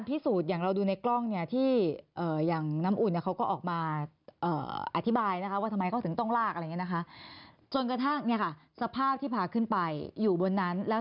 ดูจากนาฬิกาข้อมือเลยนะ